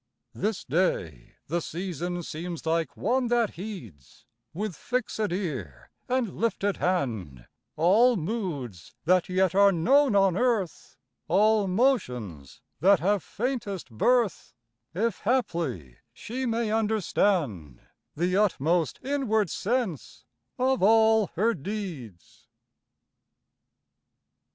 This day the season seems like one that heeds, With fixèd ear and lifted hand, All moods that yet are known on earth, All motions that have faintest birth, If haply she may understand The utmost inward sense of all her deeds.